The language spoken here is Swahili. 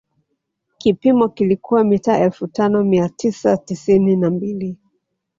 Kipimo kilikuwa mita elfu tano mia tisa tisini na mbili